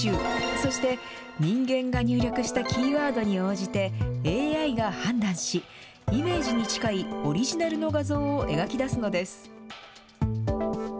そして人間が入力したキーワードに応じて、ＡＩが判断し、イメージに近いオリジナルの画像を描き出すのです。